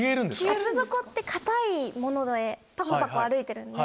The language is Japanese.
厚底って硬いものでパコパコ歩いてるんで。